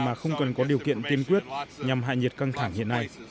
mà không cần có điều kiện tiên quyết nhằm hạ nhiệt căng thẳng hiện nay